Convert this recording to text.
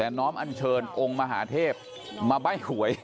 น้อมอันเชิญองค์มหาเทพมาใบ้หวย